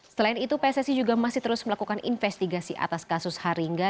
selain itu pssi juga masih terus melakukan investigasi atas kasus haringga